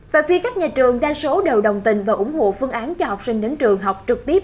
và vì các nhà trường đa số đều đồng tình và ủng hộ phương án cho học sinh đến trường học trực tiếp